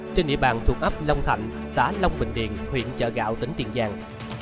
trên địa bàn thuộc ấp long thạnh xã long bình điền huyện chợ gạo tỉnh tiền giang